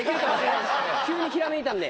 急にひらめいたんで。